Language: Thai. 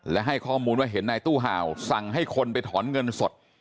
และให้ข้อมูลว่าเห็นนายตู้ห่าวสั่งให้คนไปถอนเงินสด